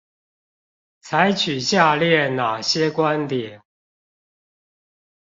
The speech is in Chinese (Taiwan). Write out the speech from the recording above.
採取下列那些觀點？